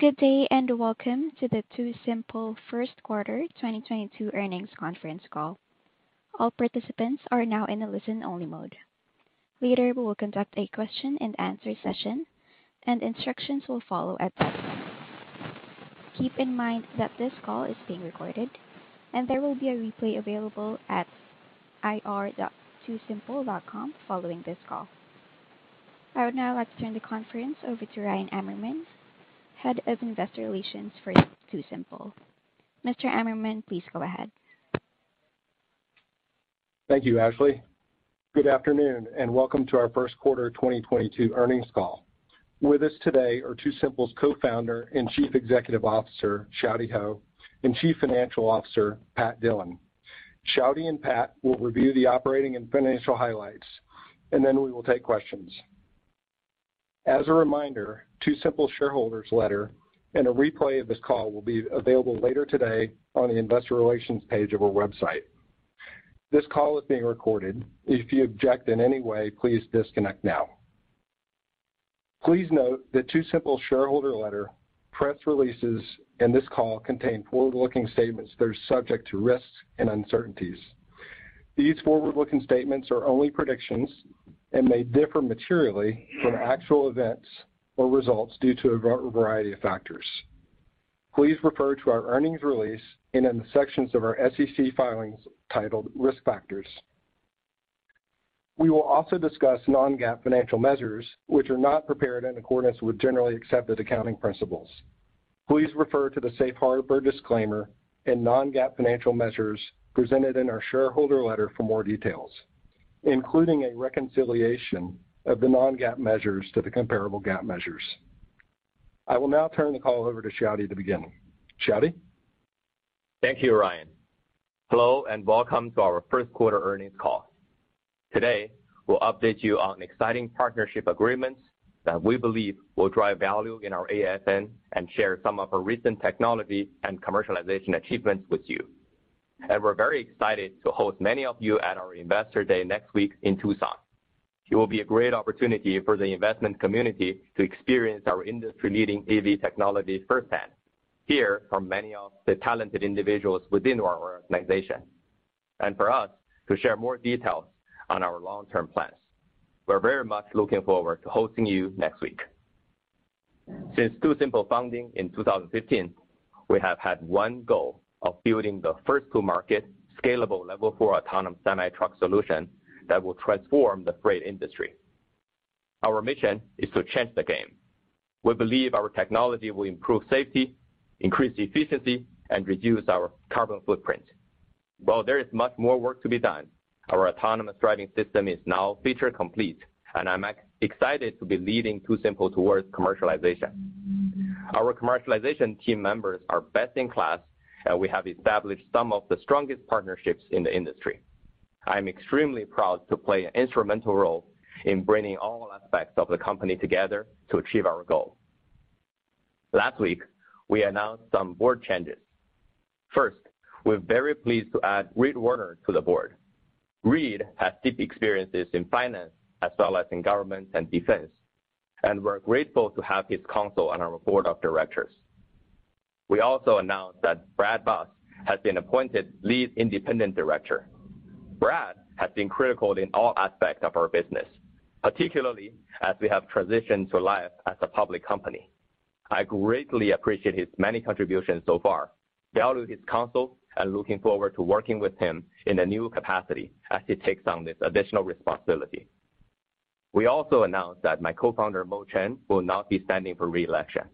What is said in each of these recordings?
Good day, and welcome to the TuSimple first quarter 2022 earnings conference call. All participants are now in a listen-only mode. Later, we will conduct a question and answer session, and instructions will follow at that time. Keep in mind that this call is being recorded, and there will be a replay available at ir.tusimple.com following this call. I would now like to turn the conference over to Ryan Amerman, Head of Investor Relations for TuSimple. Mr. Amerman, please go ahead. Thank you, Ashley. Good afternoon, and welcome to our first quarter 2022 earnings call. With us today are TuSimple's Co-founder and Chief Executive Officer, Xiaodi Hou, and Chief Financial Officer, Pat Dillon. Xiaodi and Pat will review the operating and financial highlights, and then we will take questions. As a reminder, TuSimple shareholder letter and a replay of this call will be available later today on the investor relations page of our website. This call is being recorded. If you object in any way, please disconnect now. Please note that TuSimple shareholder letter, press releases, and this call contain forward-looking statements that are subject to risks and uncertainties. These forward-looking statements are only predictions and may differ materially from actual events or results due to a variety of factors. Please refer to our earnings release and the sections of our SEC filings titled Risk Factors. We will also discuss non-GAAP financial measures, which are not prepared in accordance with generally accepted accounting principles. Please refer to the safe harbor disclaimer and non-GAAP financial measures presented in our shareholder letter for more details, including a reconciliation of the non-GAAP measures to the comparable GAAP measures. I will now turn the call over to Xiaodi to begin. Xiaodi? Thank you, Ryan. Hello, and welcome to our first quarter earnings call. Today, we'll update you on exciting partnership agreements that we believe will drive value in our AFN and share some of our recent technology and commercialization achievements with you. We're very excited to host many of you at our Investor Day next week in Tucson. It will be a great opportunity for the investment community to experience our industry-leading AV technology firsthand, hear from many of the talented individuals within our organization, and for us to share more details on our long-term plans. We're very much looking forward to hosting you next week. Since TuSimple founding in 2015, we have had one goal of building the first-to-market, scalable level four autonomous semi-truck solution that will transform the freight industry. Our mission is to change the game. We believe our technology will improve safety, increase efficiency, and reduce our carbon footprint. While there is much more work to be done, our autonomous driving system is now feature complete, and I'm excited to be leading TuSimple towards commercialization. Our commercialization team members are best in class, and we have established some of the strongest partnerships in the industry. I'm extremely proud to play an instrumental role in bringing all aspects of the company together to achieve our goal. Last week, we announced some board changes. First, we're very pleased to add Reed Werner to the board. Reed has deep experiences in finance as well as in government and defense, and we're grateful to have his counsel on our board of directors. We also announced that Brad Buss has been appointed Lead Independent Director. Brad has been critical in all aspects of our business, particularly as we have transitioned to life as a public company. I greatly appreciate his many contributions so far, value his counsel, and looking forward to working with him in a new capacity as he takes on this additional responsibility. We also announced that my co-founder, Mo Chen, will not be standing for re-election.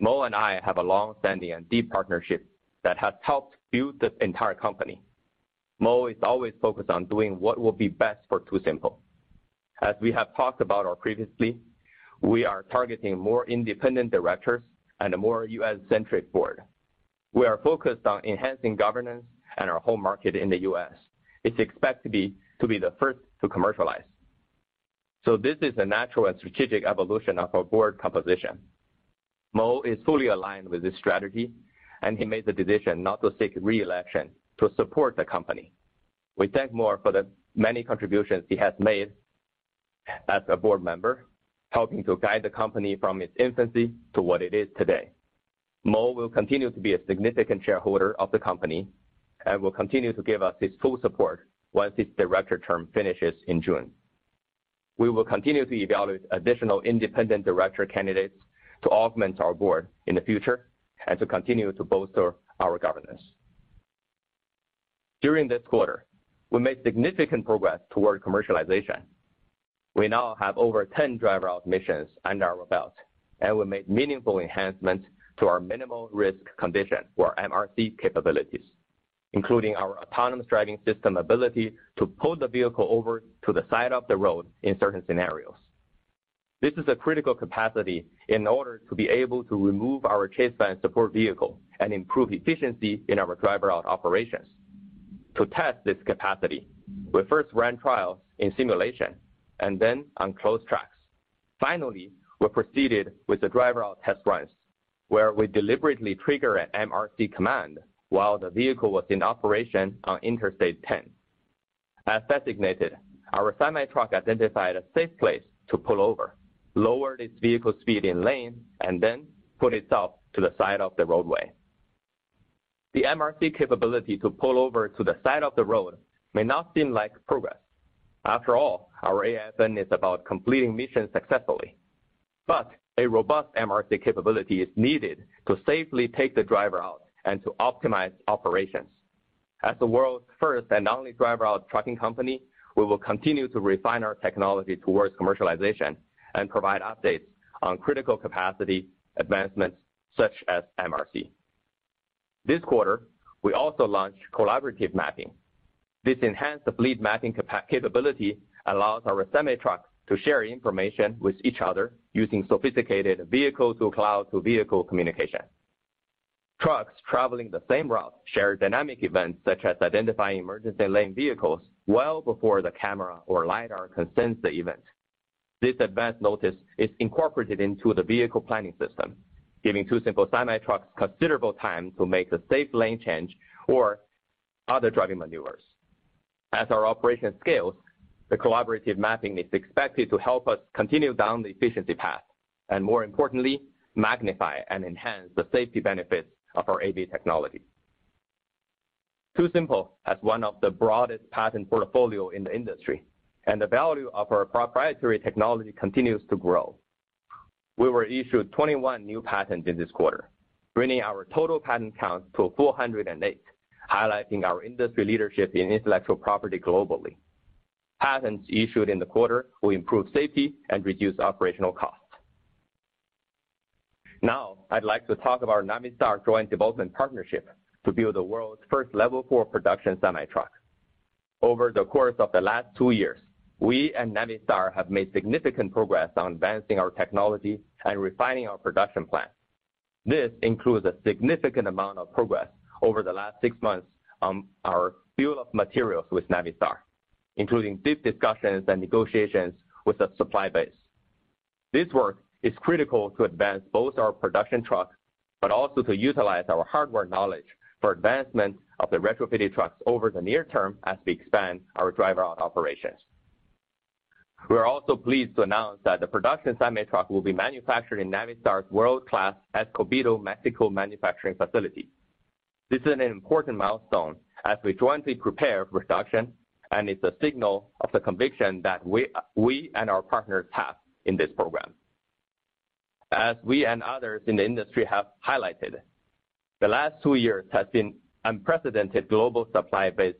Mo and I have a long-standing and deep partnership that has helped build this entire company. Mo is always focused on doing what will be best for TuSimple. As we have talked about previously, we are targeting more independent directors and a more U.S.-centric board. We are focused on enhancing governance and our home market in the U.S. It's expected to be the first to commercialize. This is a natural and strategic evolution of our board composition. Mo is fully aligned with this strategy, and he made the decision not to seek re-election to support the company. We thank Mo for the many contributions he has made as a board member, helping to guide the company from its infancy to what it is today. Mo will continue to be a significant shareholder of the company and will continue to give us his full support once his director term finishes in June. We will continue to evaluate additional independent director candidates to augment our board in the future and to continue to bolster our governance. During this quarter, we made significant progress toward commercialization. We now have over 10 driver-out missions under our belt, and we made meaningful enhancements to our minimal risk condition or MRC capabilities, including our autonomous driving system ability to pull the vehicle over to the side of the road in certain scenarios. This is a critical capacity in order to be able to remove our chase van support vehicle and improve efficiency in our driver-out operations. To test this capacity, we first ran trials in simulation and then on closed tracks. Finally, we proceeded with the driver-out test runs, where we deliberately trigger an MRC command while the vehicle was in operation on Interstate 10. As designated, our semi truck identified a safe place to pull over, lowered its vehicle speed in lane, and then put itself to the side of the roadway. The MRC capability to pull over to the side of the road may not seem like progress. After all, our AFN is about completing missions successfully. A robust MRC capability is needed to safely take the driver out and to optimize operations. As the world's first and only driver out trucking company, we will continue to refine our technology towards commercialization and provide updates on critical capacity advancements such as MRC. This quarter, we also launched collaborative mapping. This enhanced fleet mapping capability allows our semi trucks to share information with each other using sophisticated vehicle to cloud to vehicle communication. Trucks traveling the same route share dynamic events such as identifying emergency lane vehicles well before the camera or LiDAR can sense the event. This advanced notice is incorporated into the vehicle planning system, giving TuSimple semi trucks considerable time to make a safe lane change or other driving maneuvers. As our operation scales, the collaborative mapping is expected to help us continue down the efficiency path, and more importantly, magnify and enhance the safety benefits of our AV technology. TuSimple has one of the broadest patent portfolio in the industry, and the value of our proprietary technology continues to grow. We were issued 21 new patents in this quarter, bringing our total patent count to 408, highlighting our industry leadership in intellectual property globally. Patents issued in the quarter will improve safety and reduce operational costs. Now, I'd like to talk about Navistar joint development partnership to build the world's first level four production semi-truck. Over the course of the last 2 years, we and Navistar have made significant progress on advancing our technology and refining our production plan. This includes a significant amount of progress over the last six months on our bill of materials with Navistar, including deep discussions and negotiations with the supply base. This work is critical to advance both our production trucks, but also to utilize our hardware knowledge for advancement of the retrofitted trucks over the near term as we expand our driver out operations. We are also pleased to announce that the production semi truck will be manufactured in Navistar's world-class Escobedo, Mexico, manufacturing facility. This is an important milestone as we jointly prepare for production, and it's a signal of the conviction that we and our partners have in this program. As we and others in the industry have highlighted, the last two years has been unprecedented global supply base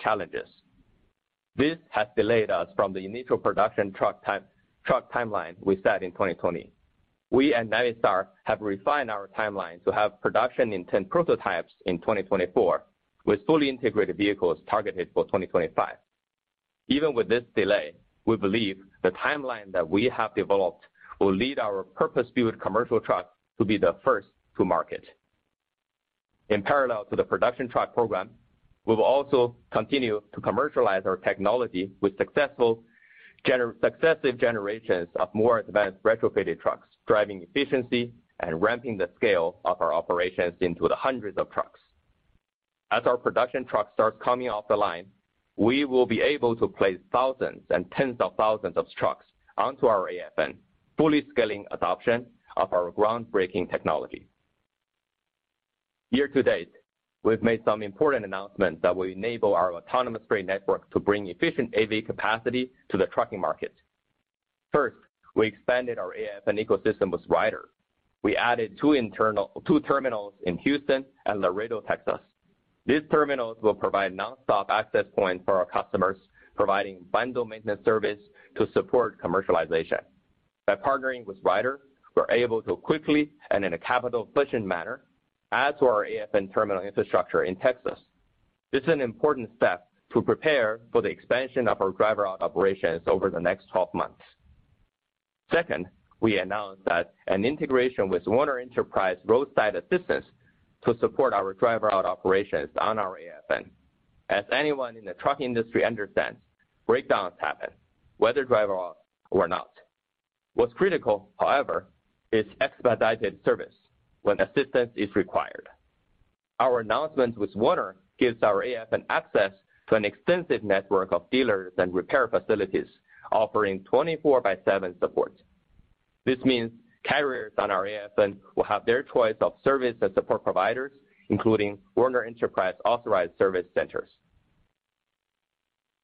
challenges. This has delayed us from the initial production truck timeline we set in 2020. We and Navistar have refined our timeline to have production in 10 prototypes in 2024, with fully integrated vehicles targeted for 2025. Even with this delay, we believe the timeline that we have developed will lead our purpose-built commercial truck to be the first to market. In parallel to the production truck program, we will also continue to commercialize our technology with successful successive generations of more advanced retrofitted trucks, driving efficiency and ramping the scale of our operations into the hundreds of trucks. As our production trucks start coming off the line, we will be able to place thousands and tens of thousands of trucks onto our AFN, fully scaling adoption of our groundbreaking technology. Year to date, we've made some important announcements that will enable our Autonomous Freight Network to bring efficient AV capacity to the trucking market. First, we expanded our AFN ecosystem with Ryder. We added two terminals in Houston and Laredo, Texas. These terminals will provide nonstop access points for our customers, providing bundled maintenance service to support commercialization. By partnering with Ryder, we're able to quickly and in a capital-efficient manner add to our AFN terminal infrastructure in Texas. This is an important step to prepare for the expansion of our driver out operations over the next 12 months. Second, we announced that an integration with Werner Enterprises Roadside Assistance to support our driver out operations on our AFN. As anyone in the truck industry understands, breakdowns happen, whether driver out or not. What's critical, however, is expedited service when assistance is required. Our announcement with Werner gives our AFN access to an extensive network of dealers and repair facilities offering 24/7 support. This means carriers on our AFN will have their choice of service and support providers, including Werner Enterprises authorized service centers.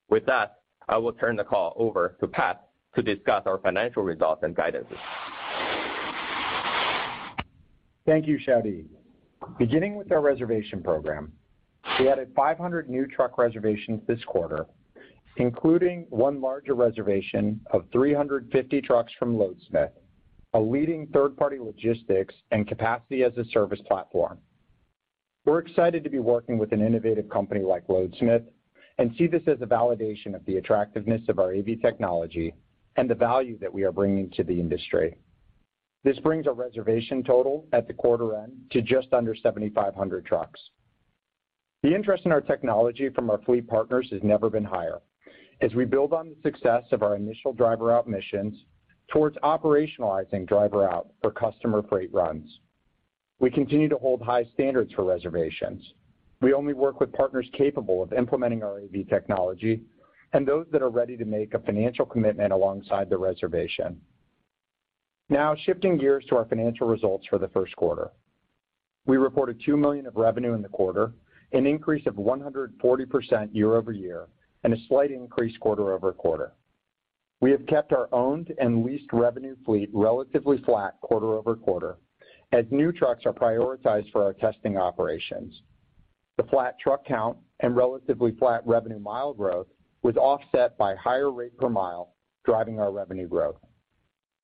With that, I will turn the call over to Pat to discuss our financial results and guidances. Thank you, Xiaodi Hou. Beginning with our reservation program, we added 500 new truck reservations this quarter, including one larger reservation of 350 trucks from Loadsmith, a leading third-party logistics and capacity-as-a-service platform. We're excited to be working with an innovative company like Loadsmith and see this as a validation of the attractiveness of our AV technology and the value that we are bringing to the industry. This brings our reservation total at the quarter end to just under 7,500 trucks. The interest in our technology from our fleet partners has never been higher. As we build on the success of our initial driver out missions towards operationalizing driver out for customer freight runs. We continue to hold high standards for reservations. We only work with partners capable of implementing our AV technology and those that are ready to make a financial commitment alongside the reservation. Now shifting gears to our financial results for the first quarter. We reported $2 million of revenue in the quarter, an increase of 140% year-over-year, and a slight increase quarter-over-quarter. We have kept our owned and leased revenue fleet relatively flat quarter-over-quarter as new trucks are prioritized for our testing operations. The flat truck count and relatively flat revenue mile growth was offset by higher rate per mile, driving our revenue growth.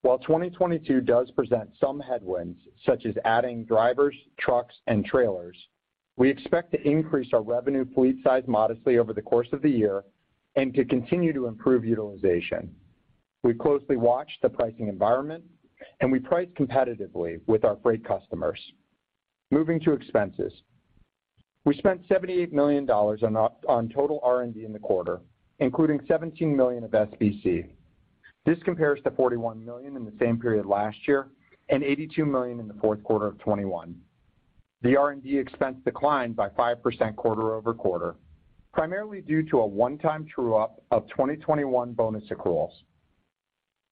While 2022 does present some headwinds, such as adding drivers, trucks, and trailers, we expect to increase our revenue fleet size modestly over the course of the year and to continue to improve utilization. We closely watch the pricing environment, and we price competitively with our freight customers. Moving to expenses. We spent $78 million on total R&D in the quarter, including $17 million of SBC. This compares to $41 million in the same period last year and $82 million in the fourth quarter of 2021. The R&D expense declined by 5% quarter-over-quarter, primarily due to a one-time true up of 2021 bonus accruals.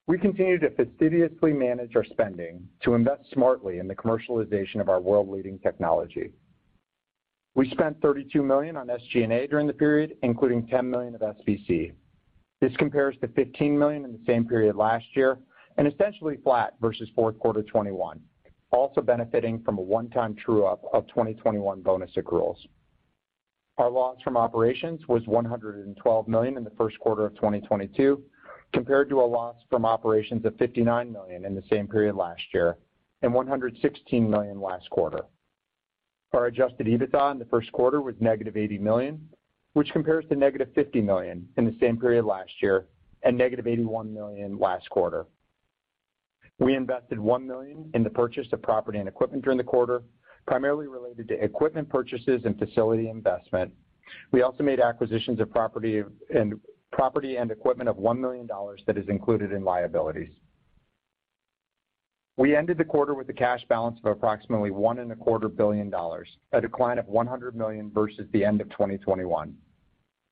We continue to fastidiously manage our spending to invest smartly in the commercialization of our world-leading technology. We spent $32 million on SG&A during the period, including $10 million of SBC. This compares to $15 million in the same period last year and essentially flat versus fourth quarter 2021, also benefiting from a one-time true up of 2021 bonus accruals. Our loss from operations was $112 million in the first quarter of 2022, compared to a loss from operations of $59 million in the same period last year and $116 million last quarter. Our adjusted EBITDA in the first quarter was negative $80 million, which compares to negative $50 million in the same period last year and negative $81 million last quarter. We invested $1 million in the purchase of property and equipment during the quarter, primarily related to equipment purchases and facility investment. We also made acquisitions of property and equipment of $1 million that is included in liabilities. We ended the quarter with a cash balance of approximately $1.25 billion, a decline of $100 million versus the end of 2021.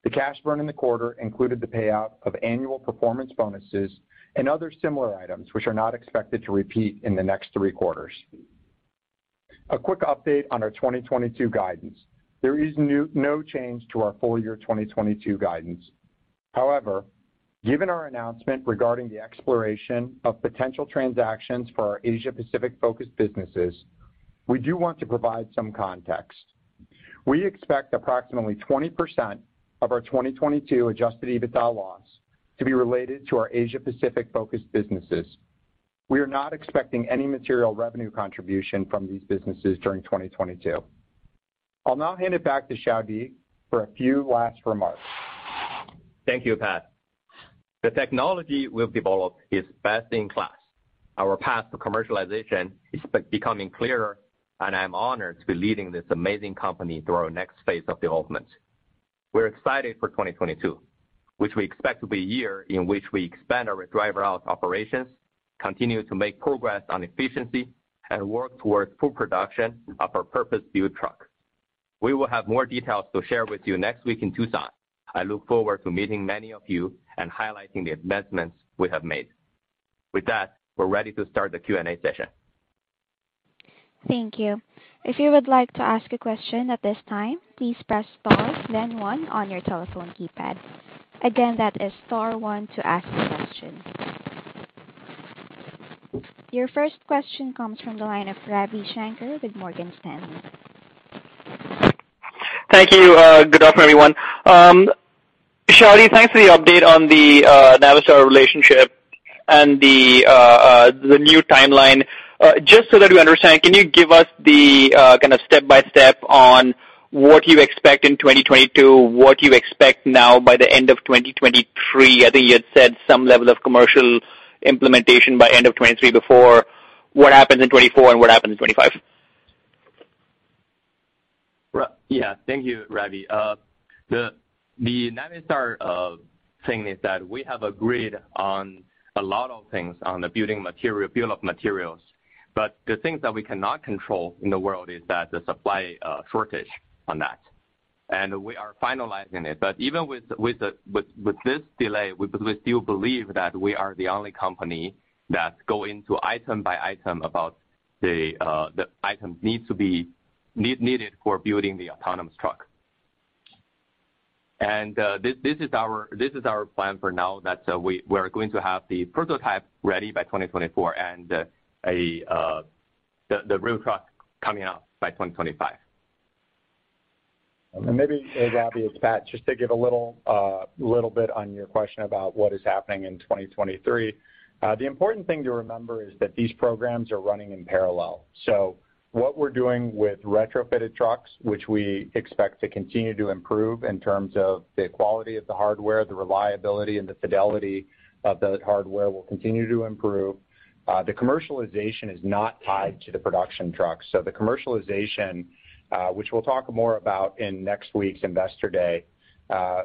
The cash burn in the quarter included the payout of annual performance bonuses and other similar items, which are not expected to repeat in the next three quarters. A quick update on our 2022 guidance. There is no change to our full year 2022 guidance. However, given our announcement regarding the exploration of potential transactions for our Asia-Pacific-focused businesses, we do want to provide some context. We expect approximately 20% of our 2022 adjusted EBITDA loss to be related to our Asia-Pacific-focused businesses. We are not expecting any material revenue contribution from these businesses during 2022. I'll now hand it back to Xiaodi for a few last remarks. Thank you, Pat. The technology we've developed is best in class. Our path to commercialization is becoming clearer, and I am honored to be leading this amazing company through our next phase of development. We're excited for 2022, which we expect to be a year in which we expand our driver operations, continue to make progress on efficiency, and work towards full production of our purpose-built truck. We will have more details to share with you next week in Tucson. I look forward to meeting many of you and highlighting the advancements we have made. With that, we're ready to start the Q&A session. Thank you. If you would like to ask a question at this time, please press star then one on your telephone keypad. Again, that is star one to ask a question. Your first question comes from the line of Ravi Shanker with Morgan Stanley. Thank you. Good afternoon, everyone. Xiaodi, thanks for the update on the Navistar relationship and the new timeline. Just so that we understand, can you give us the kind of step-by-step on what you expect in 2022, what you expect now by the end of 2023? I think you had said some level of commercial implementation by end of 2023 before. What happens in 2024 and what happens in 2025? Yeah. Thank you, Ravi. Regarding Navistar, we have agreed on a lot of things on the building material, bill of materials, but the things that we cannot control are global supply shortages on that. We are finalizing it. But even with this delay, we still believe that we are the only company that reviews each component required needed for building the autonomous truck. This is our plan for now, that we expect to have prototypes ready by 2024 and the real truck coming out by 2025. Maybe, Ravi, it's Pat, just to give a little bit on your question about what is happening in 2023. The important thing to remember is that these programs are running in parallel. What we're doing with retrofitted trucks, which we expect to continue to improve in terms of the quality of the hardware, the reliability and the fidelity of that hardware will continue to improve. The commercialization is not tied to the production trucks. The commercialization, which we'll talk more about in next week's Investor Day,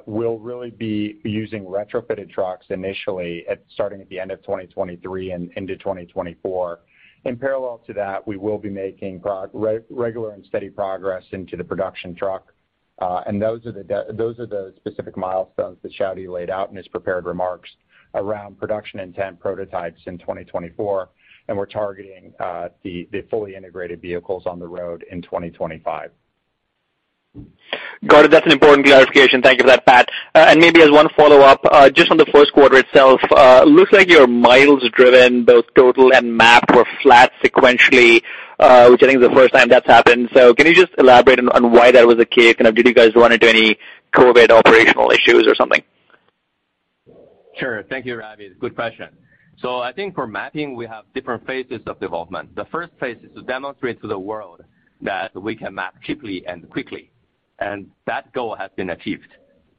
will really be using retrofitted trucks initially at, starting at the end of 2023 and into 2024. In parallel to that, we will be making regular and steady progress into the production truck, and those are the specific milestones that Xiaodi laid out in his prepared remarks around production intent prototypes in 2024, and we're targeting the fully integrated vehicles on the road in 2025. Got it. That's an important clarification. Thank you for that, Pat. Maybe as one follow-up, just on the first quarter itself, looks like your miles driven, both total and mapped, were flat sequentially, which I think is the first time that's happened. Can you just elaborate on why that was the case? Kind of, did you guys run into any COVID operational issues or something? Sure. Thank you, Ravi. Good question. I think for mapping, we have different phases of development. The first phase is to demonstrate to the world that we can map cheaply and quickly, and that goal has been achieved.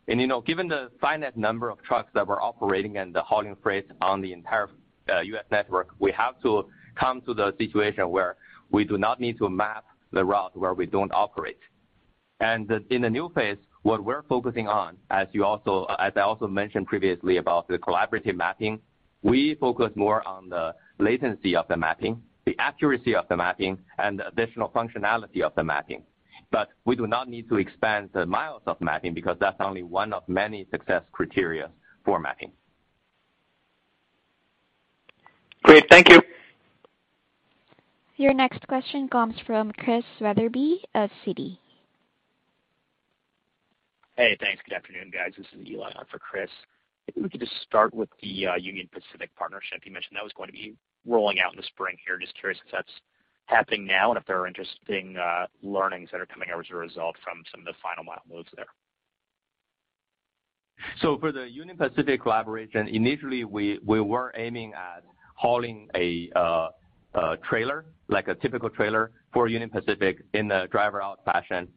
You know, given the finite number of trucks that we're operating and the hauling freight on the entire US network, we have to come to the situation where we do not need to map the route where we don't operate. In the new phase, what we're focusing on, as I also mentioned previously about the collaborative mapping, we focus more on the latency of the mapping, the accuracy of the mapping, and the additional functionality of the mapping. We do not need to expand the miles of mapping because that's only one of many success criteria for mapping. Great. Thank you. Your next question comes from Christian Wetherbee of Citi. Hey, thanks. Good afternoon, guys. This is Eli on for Chris. Maybe we could just start with the Union Pacific partnership. You mentioned that was going to be rolling out in the spring here. Just curious if that's happening now and if there are interesting learnings that are coming out as a result from some of the final mile moves there. For the Union Pacific collaboration, initially, we were aiming at hauling a trailer, like a typical trailer for Union Pacific in the driver out fashion.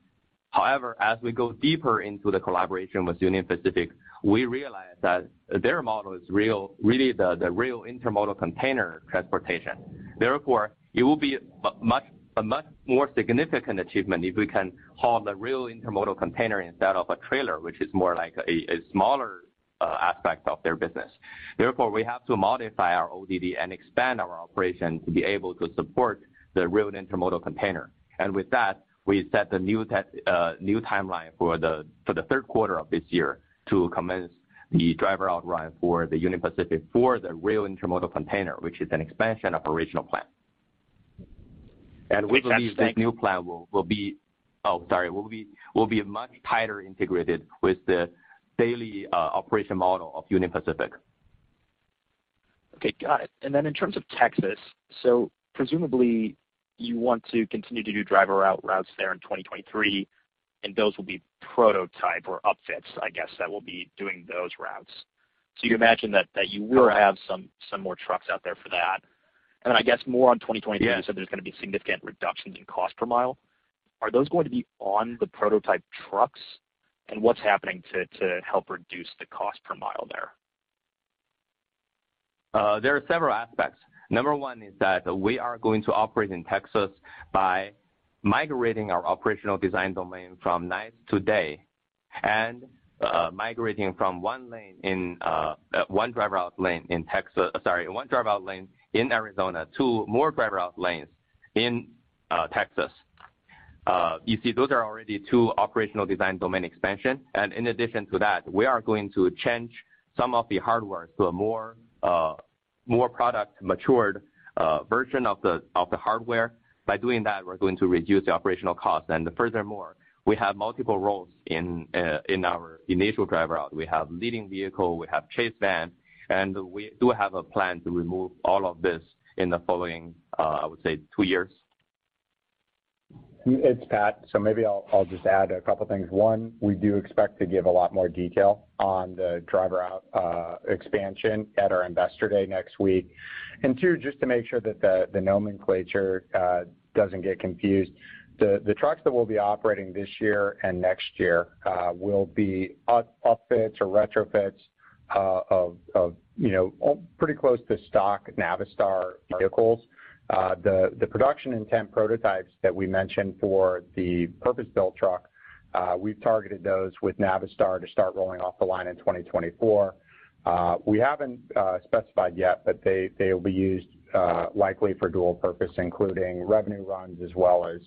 However, as we go deeper into the collaboration with Union Pacific, we realized that their model is really the real intermodal container transportation. Therefore, it will be a much more significant achievement if we can haul the real intermodal container instead of a trailer, which is more like a smaller aspect of their business. Therefore, we have to modify our ODD and expand our operation to be able to support the real intermodal container. With that, we set the new timeline for the third quarter of this year to commence the driver out ride for the Union Pacific for the rail intermodal container, which is an expansion of original plan. Which that's- We believe this new plan will be much more tightly integrated with the daily operation model of Union Pacific. Okay, got it. In terms of Texas, so presumably you want to continue to do driver out routes there in 2023, and those will be prototype or upfits, I guess, that will be doing those routes. You imagine that you will have some more trucks out there for that. I guess more on 2023. Yeah you said there's gonna be significant reductions in cost per mile. Are those going to be on the prototype trucks? What's happening to help reduce the cost per mile there? There are several aspects. Number one is that we are going to operate in Texas by migrating our operational design domain from night to day and migrating from one driver out lane in Arizona to more driver out lanes in Texas. You see, those are already two operational design domain expansion. In addition to that, we are going to change some of the hardware to a more product matured version of the hardware. By doing that, we're going to reduce the operational cost. Furthermore, we have multiple roles in our initial driver out. We have leading vehicle, we have chase van, and we do have a plan to remove all of this in the following two years. It's Pat, so maybe I'll just add a couple things. One, we do expect to give a lot more detail on the driver out expansion at our investor day next week. Two, just to make sure that the nomenclature doesn't get confused, the trucks that we'll be operating this year and next year will be upfits or retrofits of you know pretty close to stock Navistar vehicles. The production intent prototypes that we mentioned for the purpose-built truck, we've targeted those with Navistar to start rolling off the line in 2024. We haven't specified yet, but they'll be used likely for dual purpose, including revenue runs as well as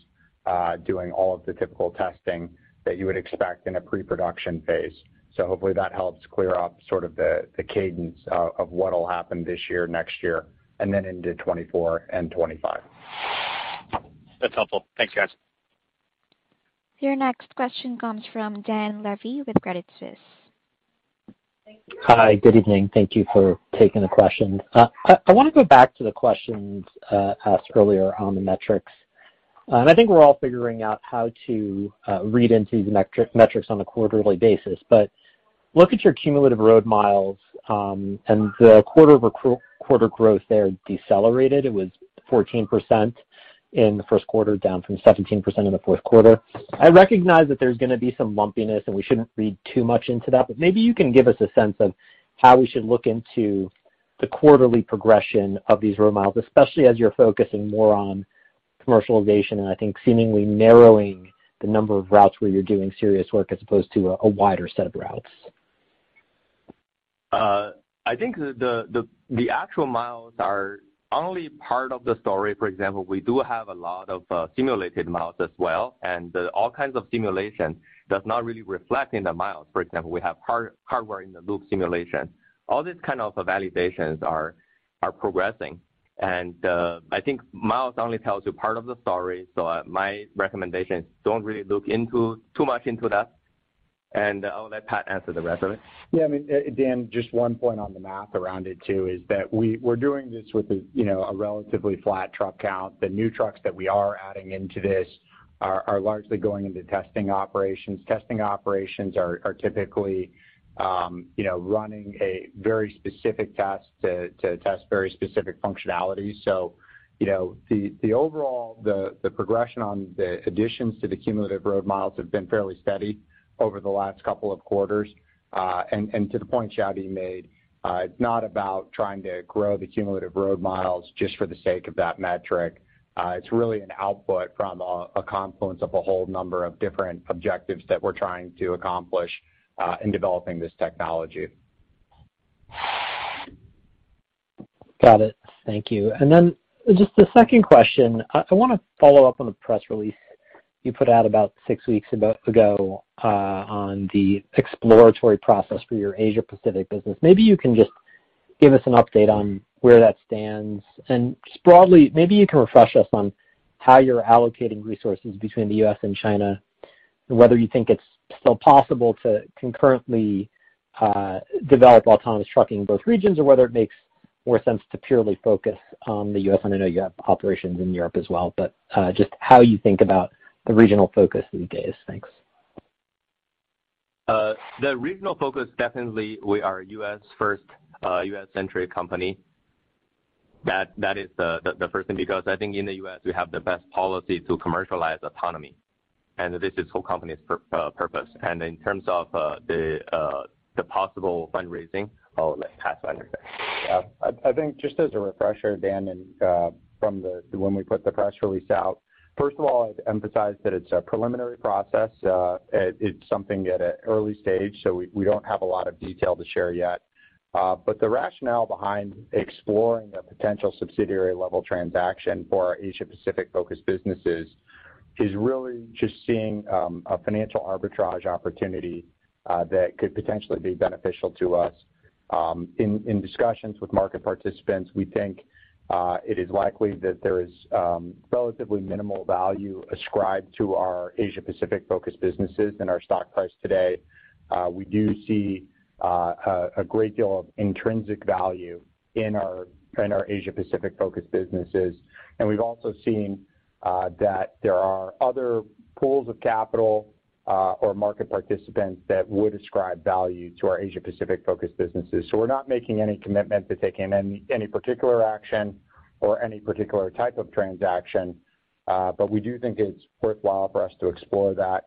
doing all of the typical testing that you would expect in a pre-production phase. Hopefully that helps clear up sort of the cadence of what'll happen this year, next year, and then into 2024 and 2025. That's helpful. Thanks, guys. Your next question comes from Dan Levy with Credit Suisse. Thank you. Hi. Good evening. Thank you for taking the question. I wanna go back to the questions asked earlier on the metrics. I think we're all figuring out how to read into the metrics on a quarterly basis. Look at your cumulative road miles, and the quarter-over-quarter growth there decelerated. It was 14% in the first quarter, down from 17% in the fourth quarter. I recognize that there's gonna be some lumpiness, and we shouldn't read too much into that, but maybe you can give us a sense of how we should look into the quarterly progression of these road miles, especially as you're focusing more on commercialization, and I think seemingly narrowing the number of routes where you're doing serious work as opposed to a wider set of routes. I think the actual miles are only part of the story. For example, we do have a lot of simulated miles as well, and all kinds of simulation does not really reflect in the miles. For example, we have hardware in the loop simulation. All these kind of validations are progressing. I think miles only tells you part of the story, so my recommendation, don't really look too much into that. I'll let Pat answer the rest of it. Yeah, I mean, Dan, just one point on the math around it too, is that we're doing this with you know a relatively flat truck count. The new trucks that we are adding into this are largely going into testing operations. Testing operations are typically you know running a very specific test to test very specific functionality. The overall progression of additions to the cumulative road miles have been fairly steady over the last couple of quarters. And to the point Xiaodi made, it's not about trying to grow the cumulative road miles just for the sake of that metric. It's really an output from a confluence of a whole number of different objectives that we're trying to accomplish in developing this technology. Got it. Thank you. Just a second question. I wanna follow up on a press release you put out about six weeks ago, on the exploratory process for your Asia Pacific business. Maybe you can just give us an update on where that stands and just broadly, maybe you can refresh us on how you're allocating resources between the U.S. and China, and whether you think it's still possible to concurrently develop autonomous trucking in both regions or whether it makes more sense to purely focus on the U.S. I know you have operations in Europe as well, but just how you think about the regional focus these days. Thanks. The regional focus, definitely we are U.S. first, U.S.-centric company. That is the first thing, because I think in the U.S., we have the best policy to commercialize autonomy, and this is whole company's purpose. In terms of the possible fundraising, I'll let Pat answer that. Yeah. I think just as a refresher, Dan, and from when we put the press release out, first of all, I'd emphasize that it's a preliminary process. It's something at an early stage, so we don't have a lot of detail to share yet. But the rationale behind exploring the potential subsidiary level transaction for our Asia Pacific-focused businesses is really just seeing a financial arbitrage opportunity that could potentially be beneficial to us. In discussions with market participants, we think it is likely that there is relatively minimal value ascribed to our Asia Pacific-focused businesses in our stock price today. We do see a great deal of intrinsic value in our Asia Pacific-focused businesses, and we've also seen that there are other pools of capital or market participants that would ascribe value to our Asia Pacific-focused businesses. We're not making any commitment to taking any particular action or any particular type of transaction, but we do think it's worthwhile for us to explore that,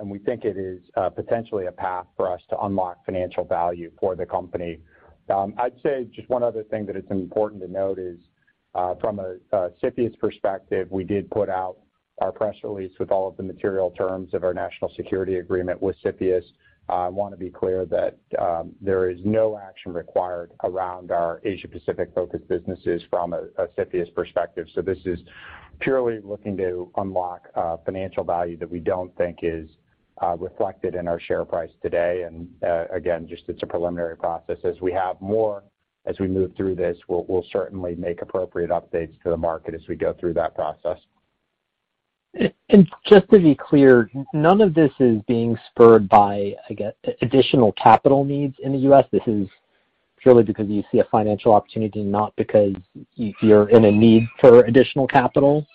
and we think it is potentially a path for us to unlock financial value for the company. I'd say just one other thing that it's important to note is from a CFIUS perspective, we did put out our press release with all of the material terms of our national security agreement with CFIUS. I wanna be clear that there is no action required around our Asia Pacific-focused businesses from a CFIUS perspective. This is purely looking to unlock financial value that we don't think is reflected in our share price today. Again, just it's a preliminary process. As we move through this, we'll certainly make appropriate updates to the market as we go through that process. Just to be clear, none of this is being spurred by, I guess, additional capital needs in the U.S. This is purely because you see a financial opportunity, not because you're in a need for additional capital?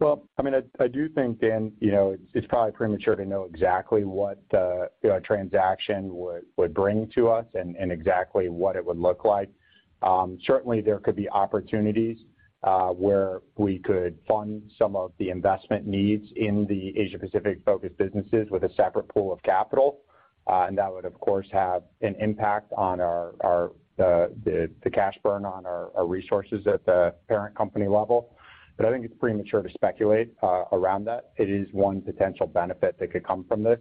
Well, I mean, I do think, Dan, you know, it's probably premature to know exactly what, you know, a transaction would bring to us and exactly what it would look like. Certainly there could be opportunities where we could fund some of the investment needs in the Asia Pacific-focused businesses with a separate pool of capital. And that would, of course, have an impact on the cash burn on our resources at the parent company level. I think it's premature to speculate around that. It is one potential benefit that could come from this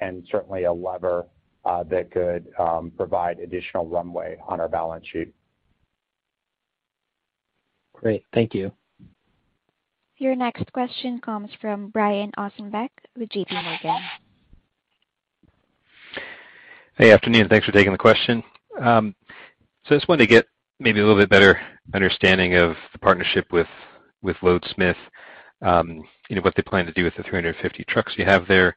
and certainly a lever that could provide additional runway on our balance sheet. Great. Thank you. Your next question comes from Brian Ossenbeck with J.P. Morgan. Hey, afternoon. Thanks for taking the question. So I just wanted to get maybe a little bit better understanding of the partnership with Loadsmith, you know, what they plan to do with the 350 trucks you have there.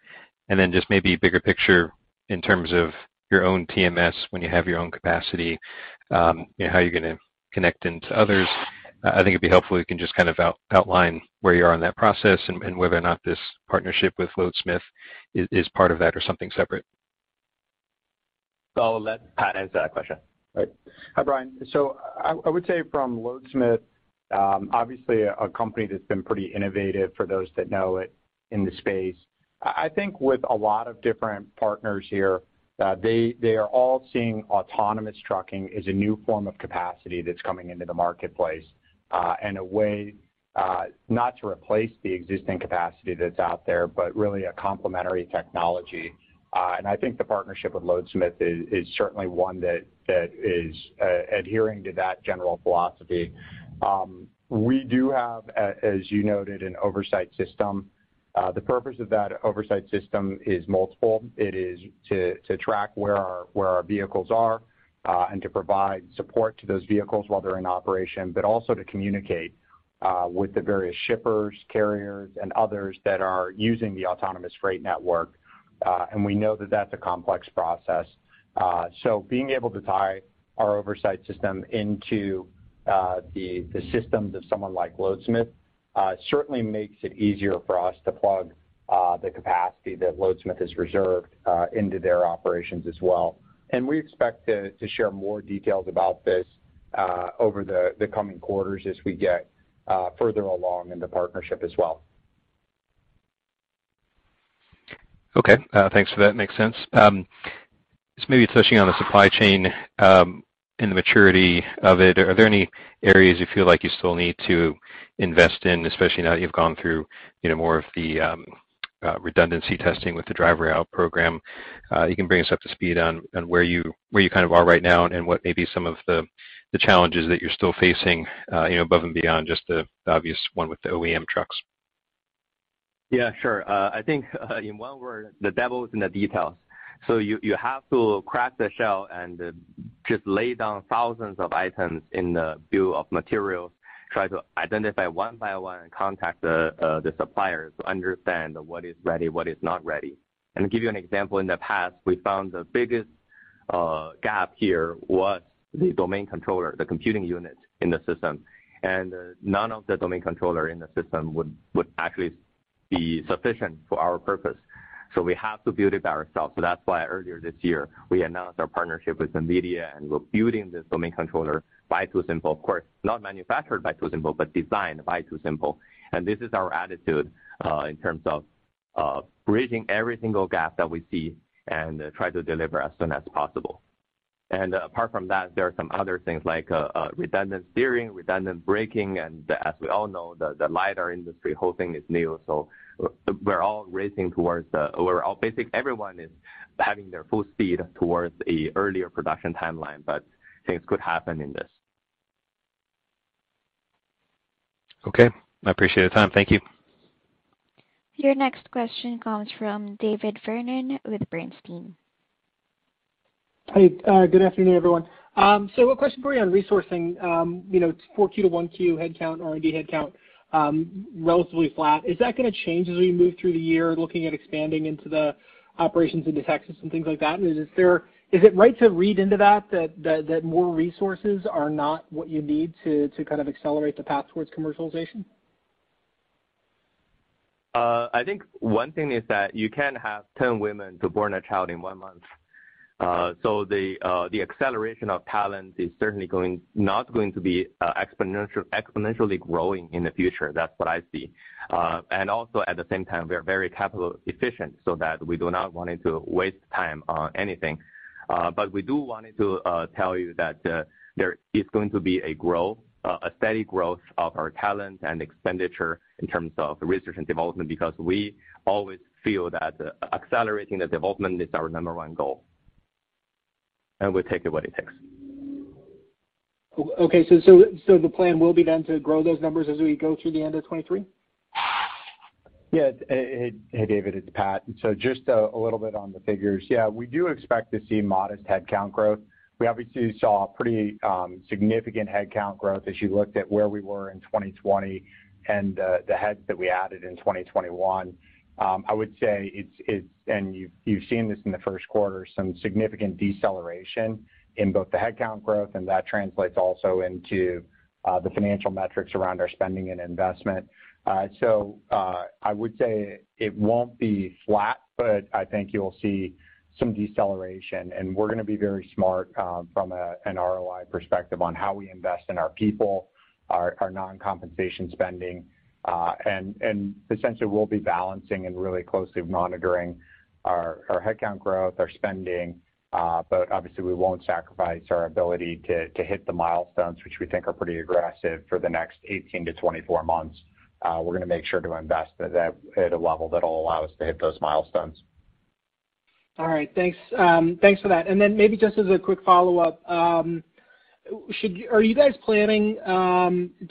Then just maybe bigger picture in terms of your own TMS when you have your own capacity, you know, how you're gonna connect into others. I think it'd be helpful if you can just kind of outline where you are in that process and whether or not this partnership with Loadsmith is part of that or something separate. I'll let Pat answer that question. Right. Hi, Brian. I would say from Loadsmith, obviously a company that's been pretty innovative for those that know it in the space. I think with a lot of different partners here, they are all seeing autonomous trucking as a new form of capacity that's coming into the marketplace, and a way not to replace the existing capacity that's out there, but really a complementary technology. I think the partnership with Loadsmith is certainly one that is adhering to that general philosophy. We do have, as you noted, an oversight system. The purpose of that oversight system is multiple. It is to track where our vehicles are and to provide support to those vehicles while they're in operation, but also to communicate with the various shippers, carriers, and others that are using the autonomous freight network. We know that that's a complex process. Being able to tie our oversight system into the systems of someone like Loadsmith certainly makes it easier for us to plug the capacity that Loadsmith has reserved into their operations as well. We expect to share more details about this over the coming quarters as we get further along in the partnership as well. Okay. Thanks for that. Makes sense. Just maybe touching on the supply chain and the maturity of it, are there any areas you feel like you still need to invest in, especially now that you've gone through, you know, more of the redundancy testing with the driver out program? You can bring us up to speed on where you kind of are right now and what may be some of the challenges that you're still facing, you know, above and beyond just the obvious one with the OEM trucks. Yeah, sure. I think, in one word, the devil is in the details. You have to crack the shell and just lay down thousands of items in the bill of materials, try to identify one by one and contact the suppliers to understand what is ready, what is not ready. To give you an example, in the past, we found the biggest gap here was the domain controller, the computing unit in the system. None of the domain controller in the system would actually be sufficient for our purpose. We have to build it ourselves. That's why earlier this year, we announced our partnership with NVIDIA, and we're building this domain controller by TuSimple. Of course, not manufactured by TuSimple, but designed by TuSimple. This is our attitude, in terms of, bridging every single gap that we see and try to deliver as soon as possible. Apart from that, there are some other things like, redundant steering, redundant braking, and as we all know, the LiDAR industry, whole thing is new. We're all racing towards everyone is having their full speed towards an earlier production timeline, but things could happen in this. Okay. I appreciate the time. Thank you. Your next question comes from David Vernon with Bernstein. Hey, good afternoon, everyone. So a question for you on resourcing. You know, 4Q to 1Q headcount, R&D headcount, relatively flat. Is that gonna change as we move through the year, looking at expanding into the operations into Texas and things like that? Is it right to read into that that more resources are not what you need to kind of accelerate the path towards commercialization? I think one thing is that you can't have ten women to bear a child in one month. So the acceleration of talent is certainly not going to be exponentially growing in the future. That's what I see. And also, at the same time, we are very capital efficient so that we do not want to waste time on anything. But we do want to tell you that there is going to be a growth, a steady growth of our talent and expenditure in terms of research and development, because we always feel that accelerating the development is our number one goal. We'll take what it takes. Okay. The plan will be then to grow those numbers as we go through the end of 2023? Yeah. Hey, hey, David, it's Pat. Just a little bit on the figures. Yeah, we do expect to see modest headcount growth. We obviously saw pretty significant headcount growth as you looked at where we were in 2020 and the heads that we added in 2021. I would say it's and you've seen this in the first quarter, some significant deceleration in both the headcount growth, and that translates also into the financial metrics around our spending and investment. I would say it won't be flat, but I think you'll see some deceleration. We're gonna be very smart from an ROI perspective on how we invest in our people, our non-compensation spending. Essentially we'll be balancing and really closely monitoring our headcount growth, our spending, but obviously we won't sacrifice our ability to hit the milestones, which we think are pretty aggressive for the next 18-24 months. We're gonna make sure to invest at a level that'll allow us to hit those milestones. All right. Thanks. Thanks for that. Maybe just as a quick follow-up, are you guys planning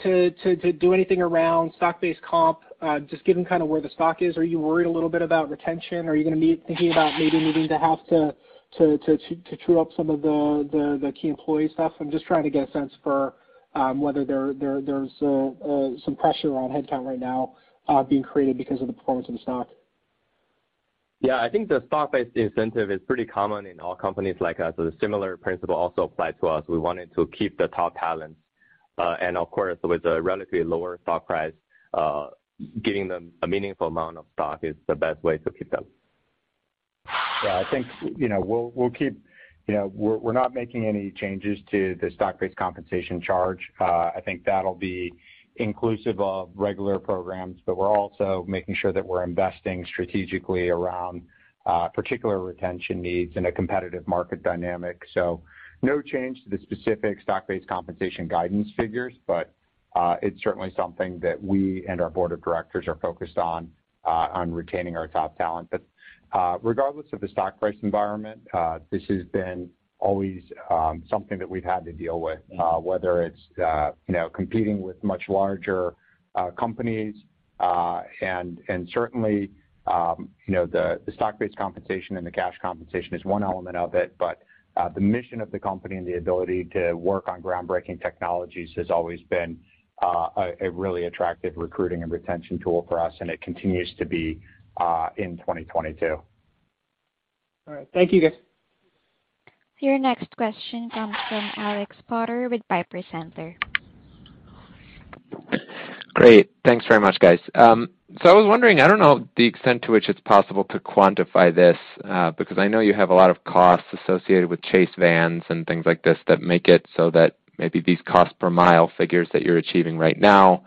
to do anything around stock-based comp, just given kind of where the stock is? Are you worried a little bit about retention? Are you gonna be thinking about maybe needing to true up some of the key employee stuff? I'm just trying to get a sense for whether there's some pressure on headcount right now, being created because of the performance of the stock. Yeah. I think the stock-based incentive is pretty common in all companies like us. The similar principle also applies to us. We wanted to keep the top talent. Of course, with a relatively lower stock price, giving them a meaningful amount of stock is the best way to keep them. Yeah, I think, you know, we'll keep, you know, we're not making any changes to the stock-based compensation charge. I think that'll be inclusive of regular programs, but we're also making sure that we're investing strategically around particular retention needs in a competitive market dynamic. No change to the specific stock-based compensation guidance figures, but it's certainly something that we and our board of directors are focused on retaining our top talent. Regardless of the stock price environment, this has been always something that we've had to deal with, whether it's you know, competing with much larger companies, and certainly you know, the stock-based compensation and the cash compensation is one element of it, but the mission of the company and the ability to work on groundbreaking technologies has always been a really attractive recruiting and retention tool for us, and it continues to be in 2022. All right. Thank you, guys. Your next question comes from Alexander Potter with Piper Sandler. Great. Thanks very much, guys. I was wondering, I don't know the extent to which it's possible to quantify this, because I know you have a lot of costs associated with chase vans and things like this that make it so that maybe these cost per mile figures that you're achieving right now,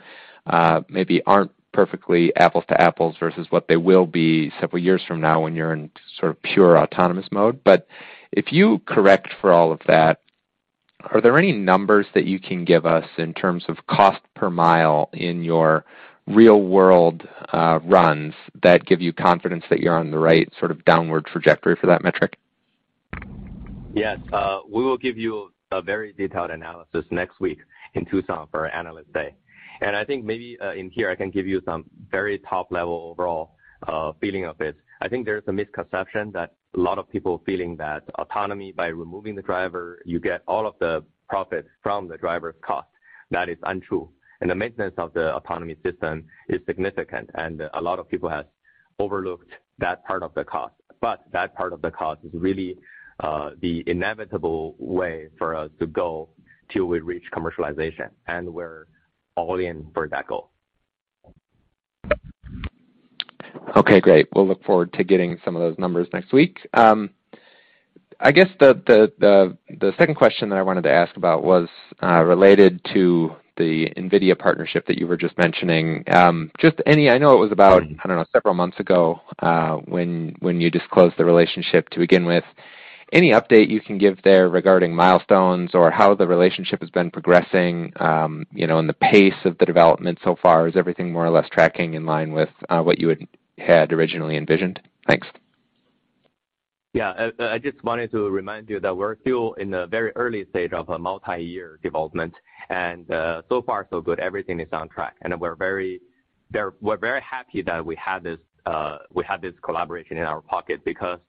maybe aren't perfectly apples to apples versus what they will be several years from now when you're in sort of pure autonomous mode. If you correct for all of that, are there any numbers that you can give us in terms of cost per mile in your real-world runs that give you confidence that you're on the right sort of downward trajectory for that metric? Yes, we will give you a very detailed analysis next week in Tucson for our Analyst Day. I think maybe, in here, I can give you some very top-level overall, feeling of this. I think there's a misconception that a lot of people feeling that autonomy by removing the driver, you get all of the profit from the driver's cost. That is untrue. The maintenance of the autonomy system is significant, and a lot of people have overlooked that part of the cost. That part of the cost is really, the inevitable way for us to go till we reach commercialization, and we're all in for that goal. Okay, great. We'll look forward to getting some of those numbers next week. I guess the second question that I wanted to ask about was related to the NVIDIA partnership that you were just mentioning. Just any. I know it was about, I don't know, several months ago, when you disclosed the relationship to begin with. Any update you can give there regarding milestones or how the relationship has been progressing, you know, and the pace of the development so far? Is everything more or less tracking in line with what you had originally envisioned? Thanks. Yeah. I just wanted to remind you that we're still in the very early stage of a multi-year development, and so far so good, everything is on track. We're very happy that we have this, we have this collaboration in our pocket because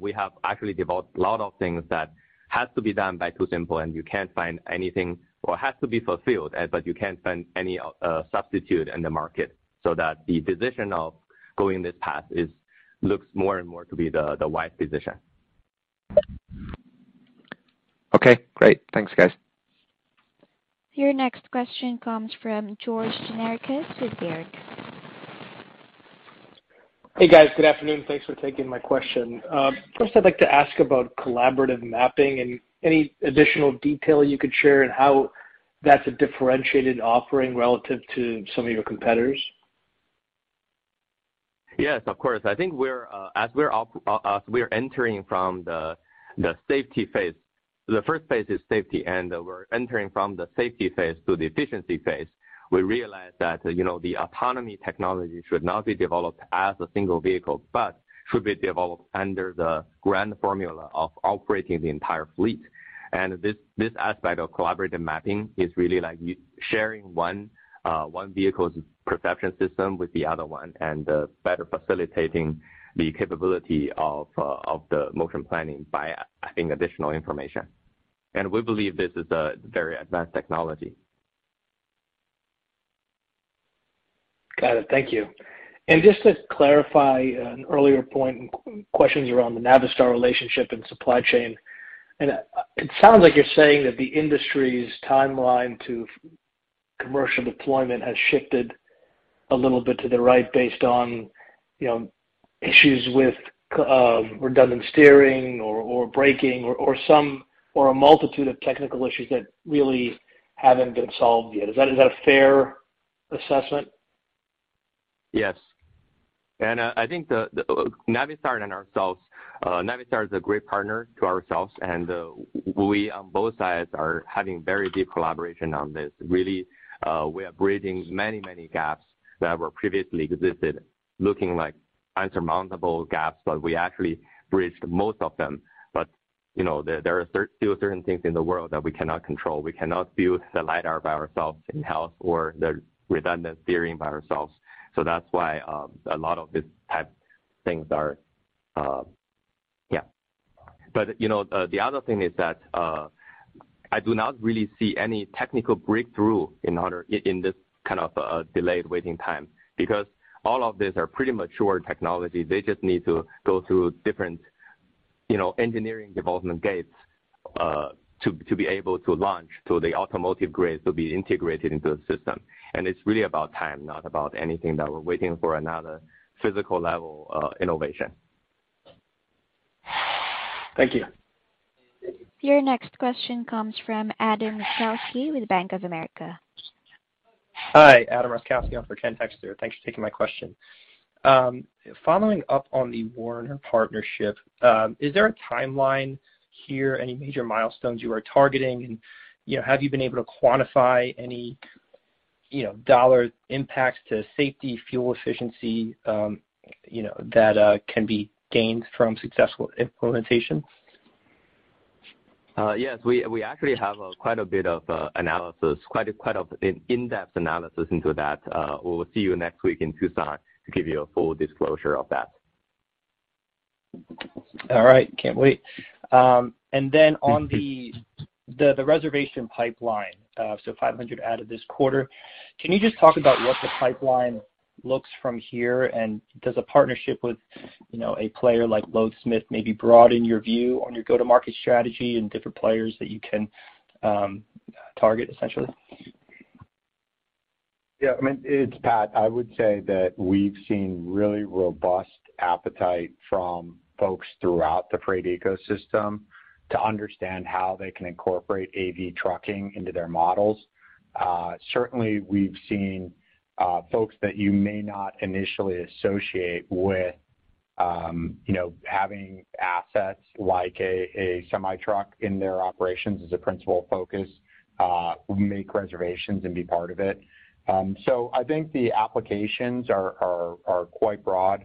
we have actually developed a lot of things that has to be done by TuSimple, and you can't find anything or has to be fulfilled, but you can't find any substitute in the market, so that the position of going this path is looks more and more to be the wise position. Okay, great. Thanks, guys. Your next question comes from George Gianarikas with Baird. Hey, guys. Good afternoon. Thanks for taking my question. First I'd like to ask about collaborative mapping and any additional detail you could share and how that's a differentiated offering relative to some of your competitors. Yes, of course. I think we're as we're entering from the safety phase. The first phase is safety, and we're entering from the safety phase to the efficiency phase. We realize that, you know, the autonomy technology should not be developed as a single vehicle, but should be developed under the grand formula of operating the entire fleet. This aspect of collaborative mapping is really like you sharing one vehicle's perception system with the other one and better facilitating the capability of the motion planning by adding additional information. We believe this is a very advanced technology. Got it. Thank you. Just to clarify an earlier point, questions around the Navistar relationship and supply chain. It sounds like you're saying that the industry's timeline to commercial deployment has shifted a little bit to the right based on, you know, issues with redundant steering or braking or a multitude of technical issues that really haven't been solved yet. Is that a fair assessment? Yes. I think the Navistar and ourselves, Navistar is a great partner to ourselves, and we on both sides are having very deep collaboration on this. Really, we are bridging many gaps that were previously existed, looking like insurmountable gaps, but we actually bridged most of them. There are still certain things in the world that we cannot control. We cannot build the LiDAR by ourselves in-house or the redundant steering by ourselves. That's why a lot of these type things are yeah. The other thing is that I do not really see any technical breakthrough in order in this kind of delayed waiting time because all of these are pretty mature technology. They just need to go through, you know, engineering development gates to be able to launch to the automotive grade to be integrated into the system. It's really about time, not about anything that we're waiting for another physical level innovation. Thank you. Your next question comes from Adam Jonas with Morgan Stanley. Hi, Adam Jonas for TuSimple. Thanks for taking my question. Following up on the Werner partnership, is there a timeline here, any major milestones you are targeting? You know, have you been able to quantify any, you know, dollar impacts to safety, fuel efficiency, you know, that can be gained from successful implementation? Yes. We actually have quite a bit of analysis, quite an in-depth analysis into that. We will see you next week in Tucson to give you a full disclosure of that. All right. Can't wait. And then on the reservation pipeline, so 500 added this quarter, can you just talk about what the pipeline looks from here? Does a partnership with, you know, a player like Loadsmith maybe broaden your view on your go-to-market strategy and different players that you can target essentially? Yeah. I mean, it's Pat. I would say that we've seen really robust appetite from folks throughout the freight ecosystem to understand how they can incorporate AV trucking into their models. Certainly we've seen folks that you may not initially associate with you know having assets like a semi-truck in their operations as a principal focus make reservations and be part of it. I think the applications are quite broad,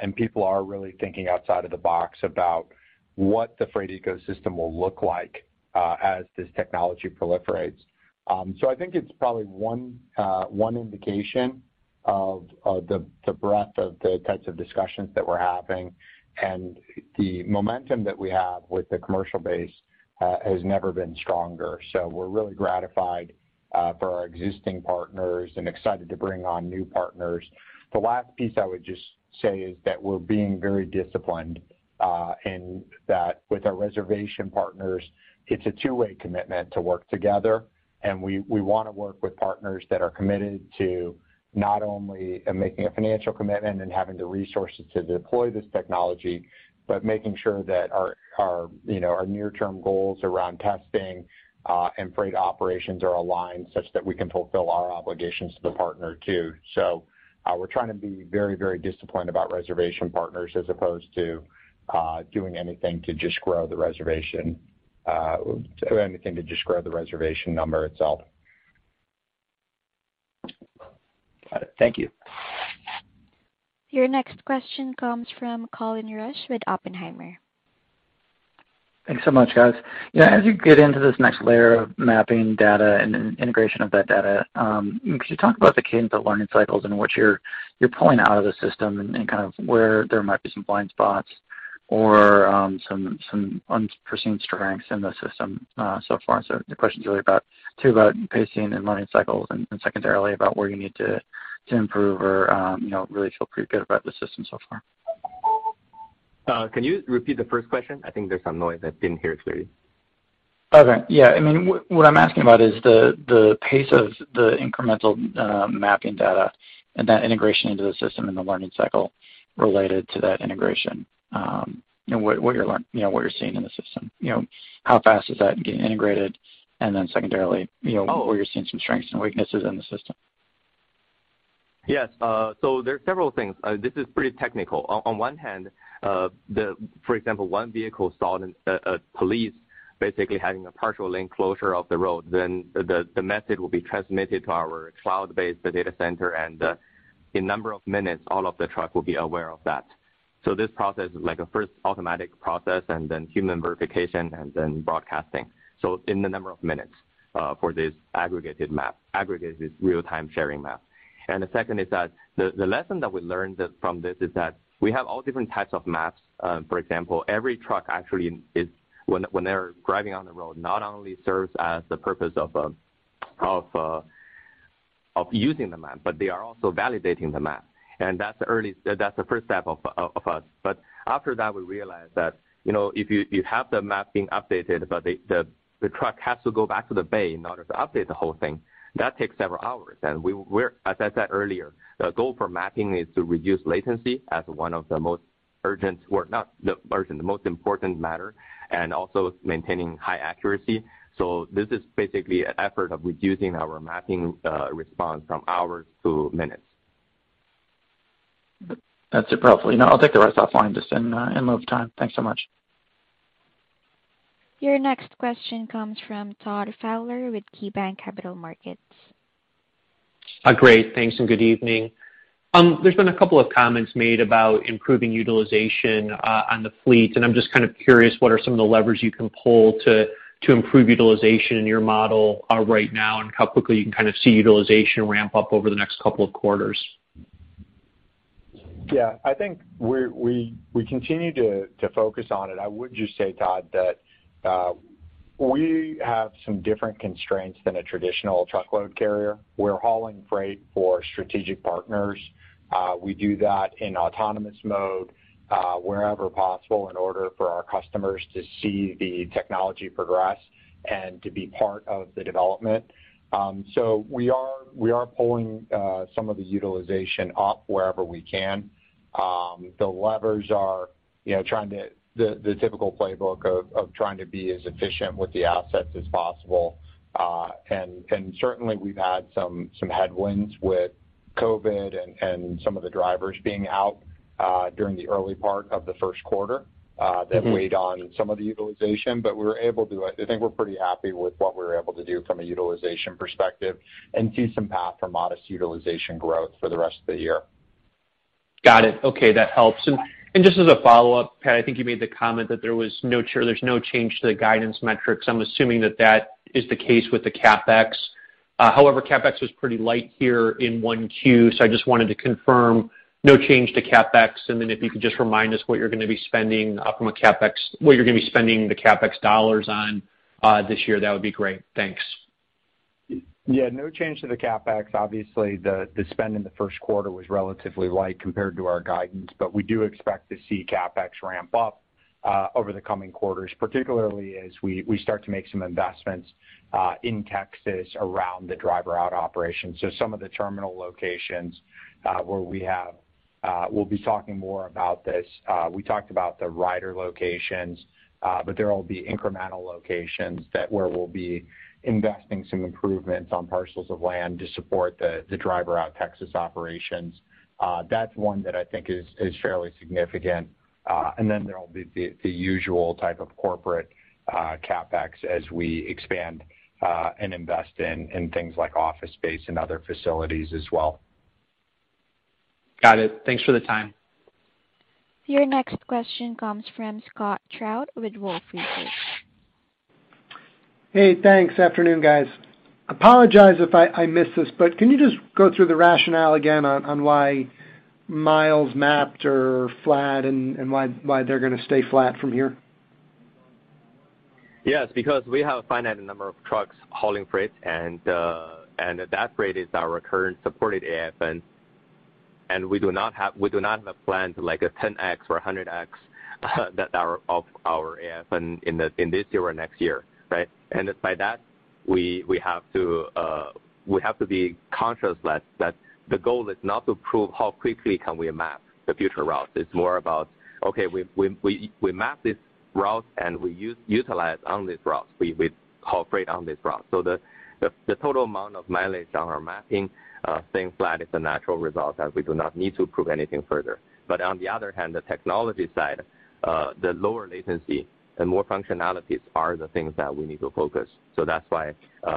and people are really thinking outside of the box about what the freight ecosystem will look like as this technology proliferates. I think it's probably one indication of the breadth of the types of discussions that we're having. The momentum that we have with the commercial base has never been stronger. We're really gratified for our existing partners and excited to bring on new partners. The last piece I would just say is that we're being very disciplined, and that with our reservation partners, it's a two-way commitment to work together, and we wanna work with partners that are committed to not only making a financial commitment and having the resources to deploy this technology, but making sure that our, you know, our near-term goals around testing and freight operations are aligned such that we can fulfill our obligations to the partner too. We're trying to be very, very disciplined about reservation partners as opposed to doing anything to just grow the reservation or anything to just grow the reservation number itself. Got it. Thank you. Your next question comes from Colin Rusch with Oppenheimer. Thanks so much, guys. Yeah, as you get into this next layer of mapping data and then integration of that data, could you talk about the cadence of learning cycles and what you're pulling out of the system and kind of where there might be some blind spots or some unforeseen strengths in the system so far? So the question is really about two, about pacing and learning cycles and secondarily about where you need to improve or, you know, really feel pretty good about the system so far. Can you repeat the first question? I think there's some noise. I didn't hear it clearly. Okay. Yeah. I mean, what I'm asking about is the pace of the incremental mapping data and that integration into the system and the learning cycle related to that integration, and what you're seeing in the system. You know, how fast is that getting integrated? Then secondarily, you know. Oh. Where you're seeing some strengths and weaknesses in the system. Yes. There are several things. This is pretty technical. On one hand, for example, one vehicle saw a police basically having a partial lane closure of the road, then the message will be transmitted to our cloud-based data center, and in a number of minutes, all of the trucks will be aware of that. This process is like a first automatic process and then human verification and then broadcasting, so in a number of minutes, for this aggregated map, aggregated real-time sharing map. The second is that the lesson that we learned from this is that we have all different types of maps. For example, every truck actually is, when they're driving on the road, not only serves as the purpose of using the map, but they are also validating the map. That's the first step of us. After that, we realized that, you know, if you have the map being updated, but the truck has to go back to the bay in order to update the whole thing. That takes several hours. We're as I said earlier, the goal for mapping is to reduce latency as one of the most urgent, or not the urgent, the most important matter, and also maintaining high accuracy. This is basically an effort of reducing our mapping response from hours to minutes. That's it, perfect. No, I'll take the rest offline just in lieu of time. Thanks so much. Your next question comes from Todd Fowler with KeyBanc Capital Markets. Great. Thanks, and good evening. There's been a couple of comments made about improving utilization on the fleet, and I'm just kind of curious what are some of the levers you can pull to improve utilization in your model right now and how quickly you can kind of see utilization ramp up over the next couple of quarters. Yeah. I think we continue to focus on it. I would just say, Todd, that we have some different constraints than a traditional truckload carrier. We're hauling freight for strategic partners. We do that in autonomous mode wherever possible in order for our customers to see the technology progress and to be part of the development. So we are pulling some of the utilization up wherever we can. The levers are, you know, the typical playbook of trying to be as efficient with the assets as possible. And certainly we've had some headwinds with COVID and some of the drivers being out during the early part of the first quarter. Mm-hmm that weighed on some of the utilization, but we were able to. I think we're pretty happy with what we were able to do from a utilization perspective and see some path for modest utilization growth for the rest of the year. Got it. Okay, that helps. Just as a follow-up, Pat, I think you made the comment that there's no change to the guidance metrics. I'm assuming that is the case with the CapEx. However, CapEx was pretty light here in 1Q, so I just wanted to confirm no change to CapEx, and then if you could just remind us what you're gonna be spending the CapEx dollars on this year, that would be great. Thanks. Yeah, no change to the CapEx. Obviously, the spend in the first quarter was relatively light compared to our guidance, but we do expect to see CapEx ramp up over the coming quarters, particularly as we start to make some investments in Texas around the driver out operation. Some of the terminal locations we'll be talking more about this. We talked about the Ryder locations, but there will be incremental locations where we'll be investing some improvements on parcels of land to support the driver out Texas operations. That's one that I think is fairly significant. And then there will be the usual type of corporate CapEx as we expand and invest in things like office space and other facilities as well. Got it. Thanks for the time. Your next question comes from Scott Group with Wolfe Research. Hey, thanks. Afternoon, guys. Apologize if I missed this, but can you just go through the rationale again on why miles mapped are flat and why they're gonna stay flat from here? Yes, because we have a finite number of trucks hauling freight and, at that rate, is our current supported AFN, and we do not have a plan to like 10x or 100x that are off our AFN in this year or next year, right? By that, we have to be conscious that the goal is not to prove how quickly can we map the future routes. It's more about, okay, we map this route, and we utilize on this route. We haul freight on this route. The total amount of mileage on our mapping staying flat is a natural result as we do not need to prove anything further. On the other hand, the technology side, the lower latency and more functionalities are the things that we need to focus. That's why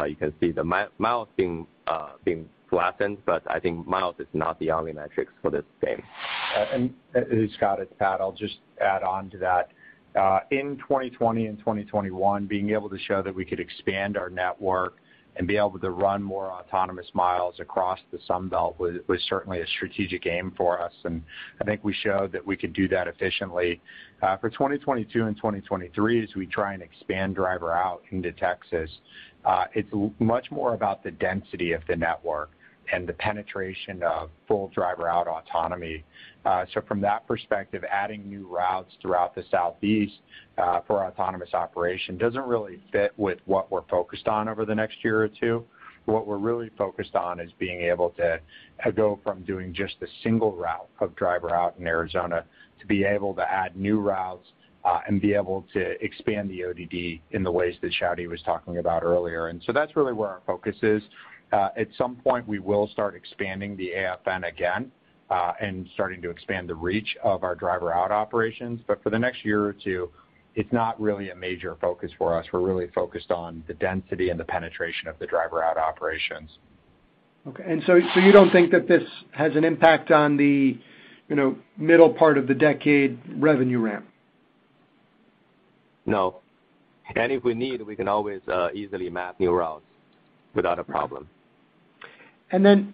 you can see the miles being flattened, but I think miles is not the only metrics for this game. Scott, it's Pat. I'll just add on to that. In 2020 and 2021, being able to show that we could expand our network and be able to run more autonomous miles across the Sun Belt was certainly a strategic aim for us, and I think we showed that we could do that efficiently. For 2022 and 2023, as we try and expand driver out into Texas, it's much more about the density of the network and the penetration of full driver out autonomy. From that perspective, adding new routes throughout the Southeast for autonomous operation doesn't really fit with what we're focused on over the next year or two. What we're really focused on is being able to go from doing just a single route of driver out in Arizona to be able to add new routes and be able to expand the ODD in the ways that Xiaodi was talking about earlier. That's really where our focus is. At some point, we will start expanding the AFN again and starting to expand the reach of our driver out operations. For the next year or two, it's not really a major focus for us. We're really focused on the density and the penetration of the driver out operations. You don't think that this has an impact on the, you know, middle part of the decade revenue ramp? No. If we need, we can always easily map new routes without a problem.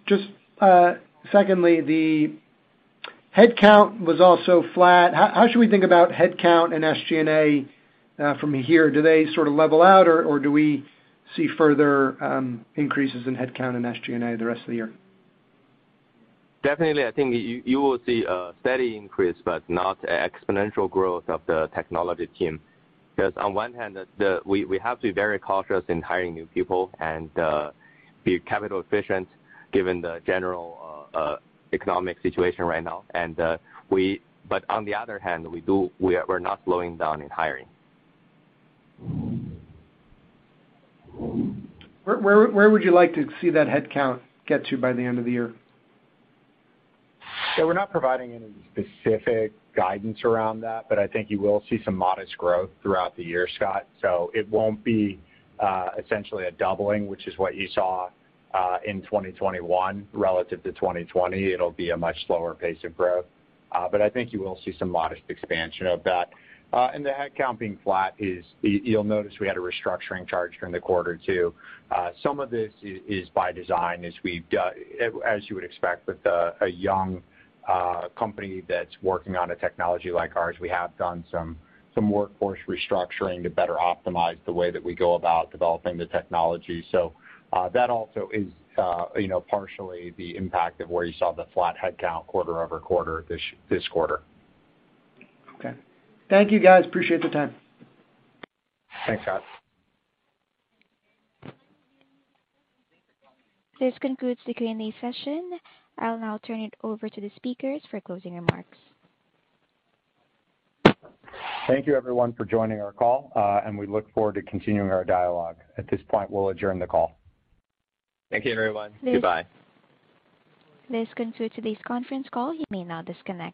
Just, secondly, the headcount was also flat. How should we think about headcount and SG&A from here? Do they sort of level out, or do we see further increases in headcount and SG&A the rest of the year? Definitely, I think you will see a steady increase, but not exponential growth of the technology team. Because on one hand, we have to be very cautious in hiring new people and be capital efficient given the general economic situation right now. On the other hand, we're not slowing down in hiring. Where would you like to see that headcount get to by the end of the year? We're not providing any specific guidance around that, but I think you will see some modest growth throughout the year, Scott. It won't be essentially a doubling, which is what you saw in 2021 relative to 2020. It'll be a much slower pace of growth, but I think you will see some modest expansion of that. And the headcount being flat is. You'll notice we had a restructuring charge during the quarter too. Some of this is by design as we've done as you would expect with a young company that's working on a technology like ours, we have done some workforce restructuring to better optimize the way that we go about developing the technology. That also is, you know, partially the impact of where you saw the flat headcount quarter over quarter this quarter. Okay. Thank you, guys. Appreciate the time. Thanks, Scott. This concludes the Q&A session. I'll now turn it over to the speakers for closing remarks. Thank you, everyone, for joining our call, and we look forward to continuing our dialogue. At this point, we'll adjourn the call. Thank you, everyone. Goodbye. This concludes today's conference call. You may now disconnect.